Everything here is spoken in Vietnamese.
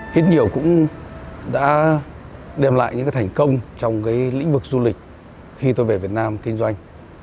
hết nhiều cũng đã đem lại những thành công trong lĩnh vực du lịch khi tôi về việt nam kinh doanh